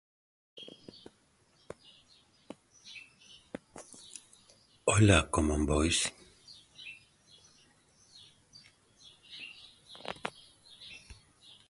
A final de año, presentó su cuarto sencillo "Grace".